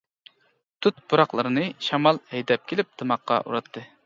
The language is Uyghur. دۇت پۇراقلىرىنى شامال ھەيدەپ كېلىپ دىماققا ئۇراتتى.